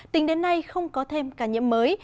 tỉnh đến nay không có thêm cả nhiễm mới